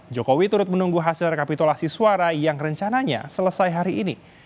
jokowi turut menunggu hasil rekapitulasi suara yang rencananya selesai hari ini